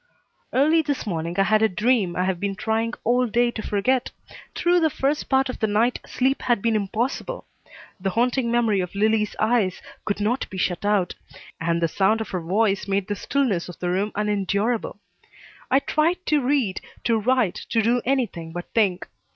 Early this morning I had a dream I have been trying all day to forget. Through the first part of the night sleep had been impossible. The haunting memory of Lillie's eyes could not be shut out, and the sound of her voice made the stillness of the room unendurable. I tried to read, to write, to do anything but think.